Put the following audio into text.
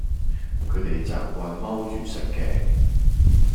佢哋習慣踎住食嘅